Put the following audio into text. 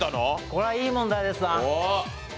これはいい問題ですな。